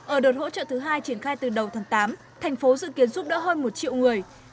ở đợt hỗ trợ thứ hai triển khai từ đầu tháng tám thành phố dự kiến giúp đỡ hơn một triệu người